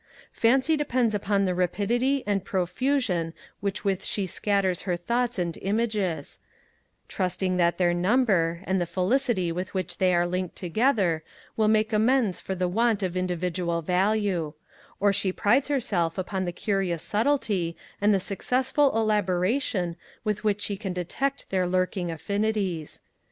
Fancy depends upon the rapidity and profusion with which she scatters her thoughts and images; trusting that their number, and the felicity with which they are linked together, will make amends for the want of individual value: or she prides herself upon the curious subtilty and the successful elaboration with which she can detect their lurking affinities.